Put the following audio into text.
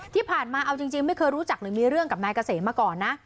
ที่ผ่านมาเอาจริงไม่เคยรู้จักหรือมีเรื่องกับนายเกษมมาก่อนนะ